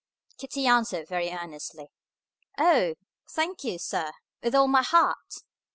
Kitty answered very earnestly, "O! Thank you, sir, with all my heart!"